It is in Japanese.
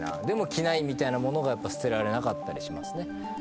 でも着ないみたいな物がやっぱ捨てられなかったりしますね。